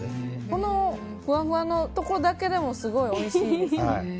このふわふわのところだけでもすごいおいしいです。